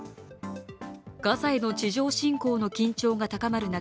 ガザへの地上侵攻の緊張が高まる中